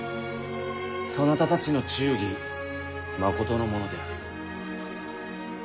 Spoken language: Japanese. そなたたちの忠義まことのものである。